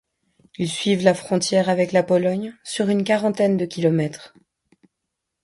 Ils suivent la frontière avec la Pologne sur une quarantaine de kilomètres.